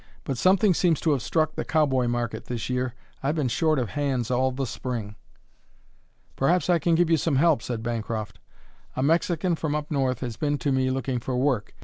But something seems to have struck the cowboy market this year; I've been short of hands all the Spring." "Perhaps I can give you some help," said Bancroft. "A Mexican from up North has been to me looking for work.